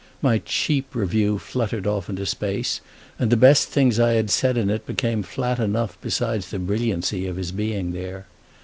My cheap review fluttered off into space, and the best things I had said in it became flat enough beside the brilliancy of his being there.